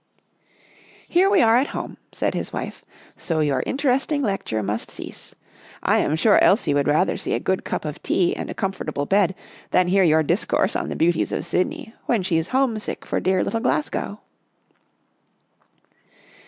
" Here we are at home," said his wife. " So your interesting lecture must cease. I am sure Elsie would rather see a good cup of tea and a comfortable bed than hear your discourse on the beauties of Sydney when she's homesick for dear little Glasgow."